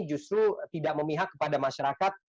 justru tidak memihak kepada masyarakat